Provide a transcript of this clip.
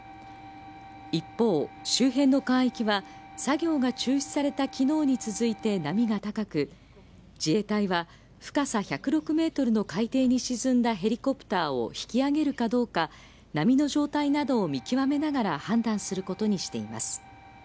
一方、周辺の海域は、作業が中止されたきのうに続いて波が高く、自衛隊は深さ１０６メートルの海底に沈んだヘリコプターを引き揚げるかどうか、波の状態などを見極めながら判断することにしています。